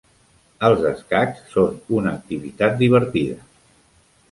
Els escacs són una activitat divertida.